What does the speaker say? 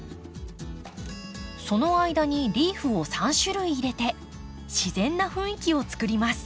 その間にリーフを３種類入れて自然な雰囲気を作ります。